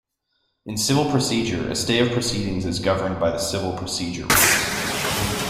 In civil procedure a stay of proceedings is governed by the Civil Procedure Rules.